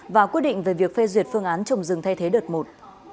và quyết định về việc phê duyệt phương án trồng rừng thay thế đợt một